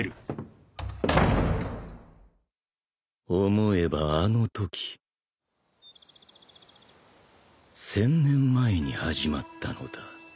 ［思えばあのとき千年前に始まったのだ］